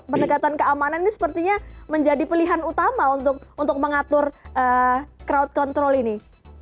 pendekatan keamanan ini sepertinya menjadi pilihan utama untuk mengatur crowd control ini